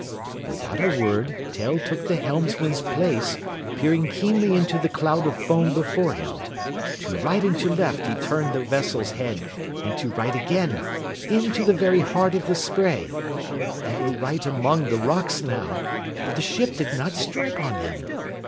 Without a word Tell took the helmsman's place, peering keenly into the cloud of foam before him. To right and to left he turned the vessel's head, and to right again, into the very heart of the spray. They were right among the rocks now, but the ship did not strike on them.